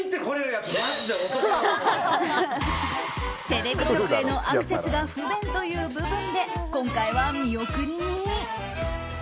テレビ局へのアクセスが不便という部分で今回は見送りに。